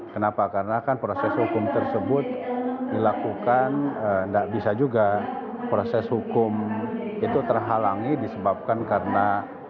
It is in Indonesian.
kenapa karena kan proses hukum tersebut dilakukan tidak bisa juga proses hukum itu terhalangi disebabkan karena